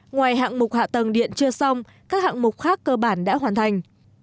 ngoài hạng mục hạ tầng điện chưa xong các hạng mục khác cơ bản đã hoàn thành